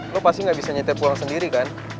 lo pasti gak bisa nyetir pulang sendiri kan